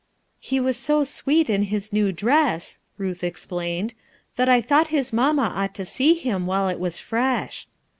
"lie was so sweet in his new dress," Ruth explained, "that I thought his mamma ought to see him while it was fresh."